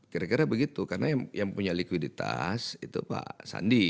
kira kira begitu karena yang punya likuiditas itu pak sandi